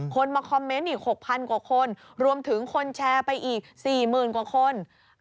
มาคอมเมนต์อีก๖๐๐๐กว่าคนรวมถึงคนแชร์ไปอีก๔๐๐๐กว่าคน